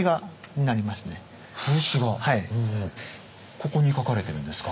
ここに描かれてるんですか？